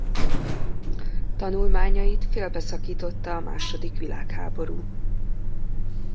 Tanulmányait félbeszakította a második világháború.